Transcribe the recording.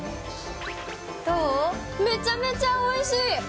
めちゃめちゃおいしい。